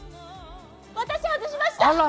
私、外しました！